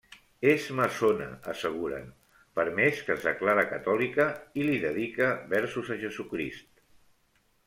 És maçona, asseguren, per més que es declare catòlica i li dedique versos a Jesucrist.